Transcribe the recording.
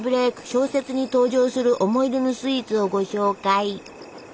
小説に登場する思い出のスイーツをご紹介。